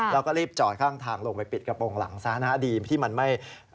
แล้วก็รีบจอดข้างทางลงไปปิดกระโปรงหลังซะนะดีที่มันไม่